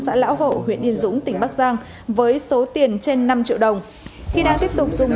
xã lão hộ huyện yên dũng tỉnh bắc giang với số tiền trên năm triệu đồng khi đang tiếp tục dùng